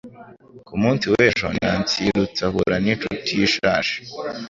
Ku munsi w'ejo, Nancy yirutse ahura n'inshuti ye ishaje.